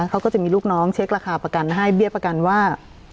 เขาก็จะมีลูกน้องเช็คราคาประกันให้เบี้ยประกันว่า